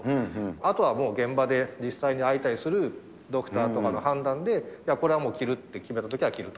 あとはもう現場で、実際に相対するドクターとかの判断で、これはもう着るって決めたときは着ると。